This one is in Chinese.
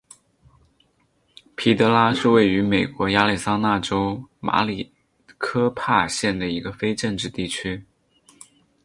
皮德拉是位于美国亚利桑那州马里科帕县的一个非建制地区。